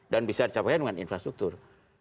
dan bisa dicapain dengan infrastruktur